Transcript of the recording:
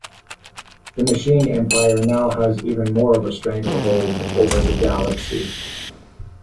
The Machine Empire now has even more of a stranglehold over the Galaxy.